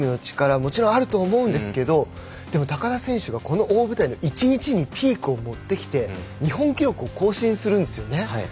もちろんあると思うんですけれど高田選手がこの大舞台で１日にピークを持ってきて日本記録を更新するんですよね。